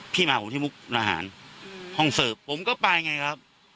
พี่มากผมที่มกรณาฮารห้องเสิร์ฟผมก็ไปอย่างงี้นะครับ